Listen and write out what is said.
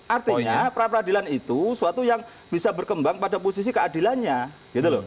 artinya perapradilan itu suatu yang bisa berkembang pada posisi keadilannya